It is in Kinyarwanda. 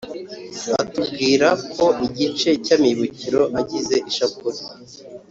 atubwira ko igice cy’amibukiro agize ishapule